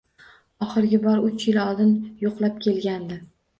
Oxirgi bor uch yil oldin yoʻqlab kelgandi.